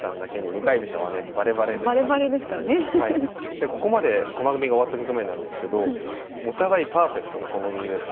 でここまで駒組みが終わった局面なんですけどお互いパーフェクトな駒組みです。